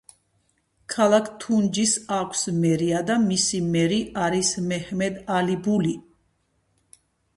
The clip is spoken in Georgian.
ქალაქ თუნჯელის აქვს მერია და მისი მერი არის მეჰმედ ალი ბული.